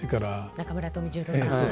中村富十郎さん。